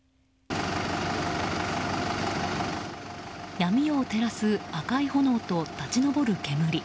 闇夜を照らす赤い炎と立ち上る煙。